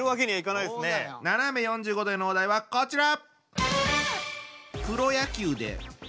ななめ４５°へのお題はこちら！